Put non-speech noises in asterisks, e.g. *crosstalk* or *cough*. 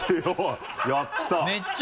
やった *laughs*